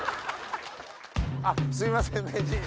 あっすいません名人。